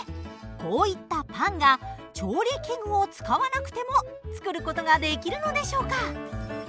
こういったパンが調理器具を使わなくても作る事ができるのでしょうか？